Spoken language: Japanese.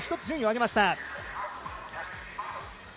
順位を上げました。